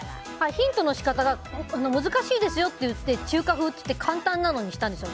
ヒントの仕方が難しいですよと言って中華風って言って簡単にしたんですよ。